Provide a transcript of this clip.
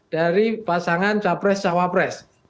dari pasangan cawapres cawapres